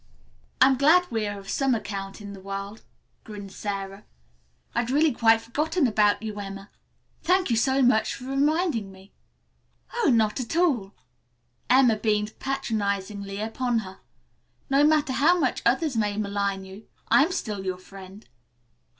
"I'm glad we are of some account in the world," grinned Sara. "I'd really quite forgotten about you, Emma. Thank you so much for reminding me." "Oh, not at all," Emma beamed patronizingly upon her. "No matter how much others may malign you, I am still your friend."